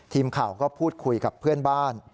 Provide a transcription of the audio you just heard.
ทีมข่าวก็พูดคุยกับเพื่อนบ้าน